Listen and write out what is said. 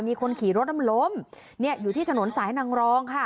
มีคนขี่รถมันล้มเนี่ยอยู่ที่ถนนสายนางรองค่ะ